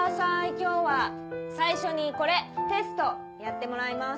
今日は最初にこれテストやってもらいます。